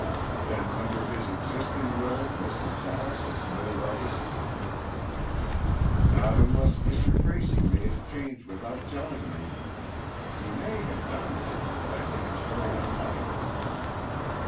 "Then, under his existing will, Mrs. Dallas has no legacy?" "Not unless Mr. Tracy made a change without telling me. He may have done that, but I think it very unlikely."